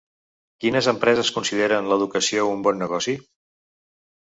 Quines empreses consideren l’educació un bon negoci?